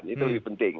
itu lebih penting